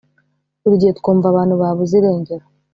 buri gihe twumva abantu babuze irengero